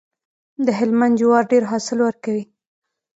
د هلمند جوار ډیر حاصل ورکوي.